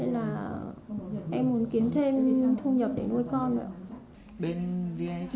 nên là em muốn kiếm thêm thu nhập để nuôi con ạ